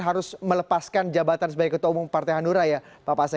harus melepaskan jabatan sebagai ketua umum partai hanura ya pak pasek